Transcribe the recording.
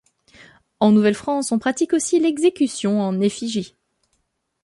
En Nouvelle-France on pratique aussi l'exécution en effigie.